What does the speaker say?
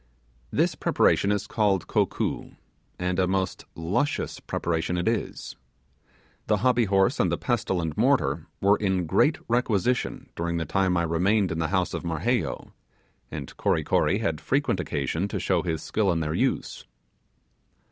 This preparation is called 'kokoo', and a most luscious preparation it is. The hobby horse and the pestle and mortar were in great requisition during the time I remained in the house of Marheyo, and Kory Kory had frequent occasion to show his skill in their use.